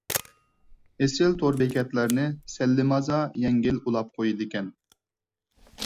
ئېسىل تور بېكەتلەرنى سەللىمازا يەڭگىل ئۇلاپ قويىدىكەن.